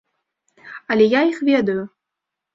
Але я іх ведаю.